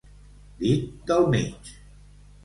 Dit del mig.